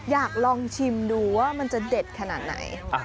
อยากลองชิมดูว่ามันจะเด็ดขนาดไหน